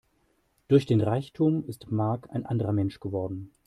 Durch den Reichtum ist Mark ein anderer Mensch geworden.